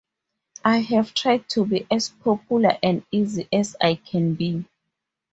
I have tried to be as popular and easy as I can be.